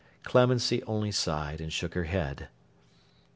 Clemency only sighed, and shook her head.